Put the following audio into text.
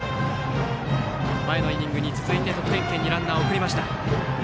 これでまた前のイニングに続いて得点圏にランナーを送りました。